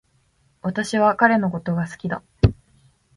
私は彼のことが好きだ